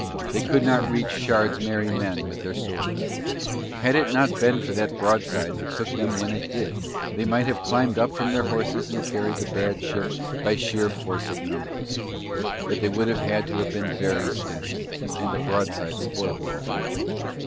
They could not reach Shard's merry men with their swords. Had it not been for that broadside that took them when it did they might have climbed up from their horses and carried the bad ship by sheer force of numbers, but they would have had to have been very steady, and the broadside spoiled all that.